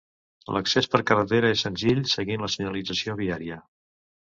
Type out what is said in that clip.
L'accés per carretera és senzill seguint la senyalització viària.